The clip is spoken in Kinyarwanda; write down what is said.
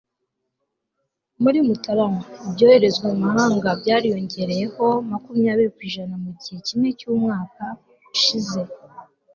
muri mutarama ibyoherezwa mu mahanga byariyongereyeho makumyabiri ku ijana mu gihe kimwe cy'umwaka ushize